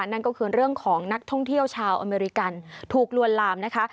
นั่นก็คือเรื่องของนักท่องเที่ยวชาวอเมริกันถูกลวนลามนะคะ